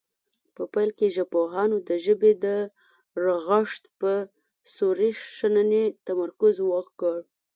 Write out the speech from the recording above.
په پیل کې ژبپوهانو د ژبې د رغښت په صوري شننې تمرکز وکړ